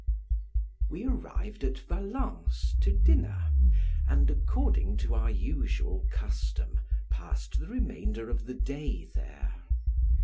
We arrived at Valence to dinner, and according to our usual custom passed the remainder of the day there.